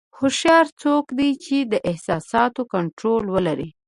هوښیار څوک دی چې د احساساتو کنټرول ولري.